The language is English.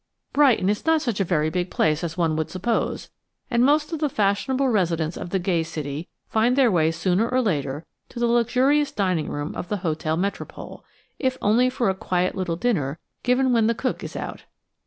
Brighton is not such a very big place as one would suppose, and most of the fashionable residents of the gay city find their way sooner or later to the luxurious dining room of the Hotel Metropole, if only for a quiet little dinner given when the cook is out.